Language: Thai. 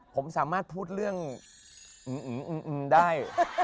ผมสามารถพูดเรื่องได้